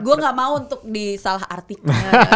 gue gak mau untuk disalah artikan